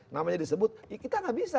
namanya disebut kita enggak bisa